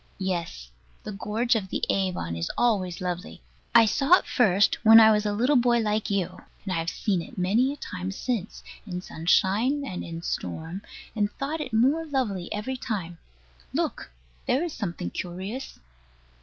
Yes. The gorge of the Avon is always lovely. I saw it first when I was a little boy like you; and I have seen it many a time since, in sunshine and in storm, and thought it more lovely every time. Look! there is something curious.